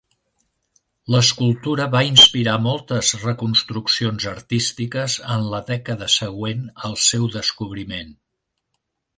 L'escultura va inspirar moltes reconstruccions artístiques en la dècada següent al seu descobriment.